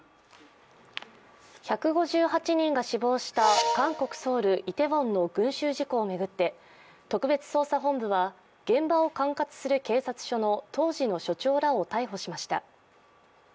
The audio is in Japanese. １５８人が死亡した韓国・ソウル、イテウォンの群集事故を巡って特別捜査本部は現場を管轄する警察署の当時の署長らを逮捕しました。